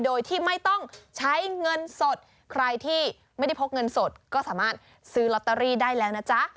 โดยที่ไม่ต้องใช้เงินสดใครที่ไม่ได้พกเงินสดก็สามารถซื้อลอตเตอรี่ได้แล้วนะจ๊ะ